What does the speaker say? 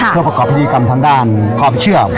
เพื่อประกอบพิธีกรรมทางด้านความเชื่อ